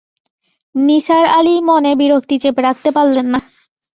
নিসার আলি মনে বিরক্তি চেপে রাখতে পারলেন না।